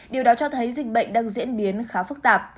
điều đó cho thấy dịch bệnh đang diễn biến khá phức tạp